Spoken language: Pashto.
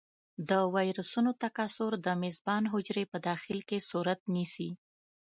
د ویروسونو تکثر د میزبان حجرې په داخل کې صورت نیسي.